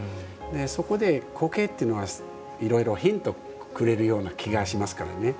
そこで苔というのはいろいろヒントをくれるような気がしますからね。